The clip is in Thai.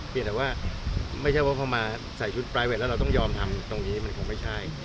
แต่ว่าไม่ใช่ว่าเขามาใส่ชุดปลายเวทแล้วเราต้องยอมทำตรงนี้มันคงไม่ใช่